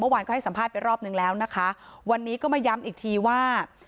เมื่อวานก็ให้สัมภาษณ์ไปรอบนึงแล้วนะคะวันนี้ก็มาย้ำอีกทีว่า